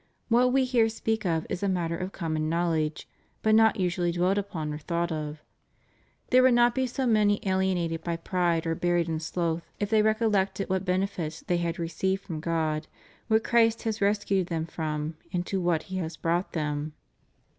What We here speak of is a matter of common knowl edge, but not usually dwelt upon or thought of. There would not be so many alienated by pride or buried in sloth if they recollected what benefits they had received from God, what Christ has rescued them from and to what He has brought them.